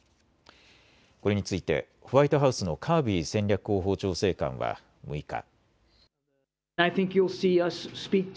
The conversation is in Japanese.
これについてホワイトハウスのカービー戦略広報調整官は６日。